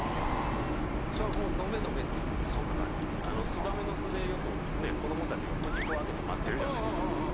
ツバメの巣でよく子供たちが口こう開けて待ってるじゃないですか。